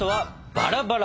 バラバラ？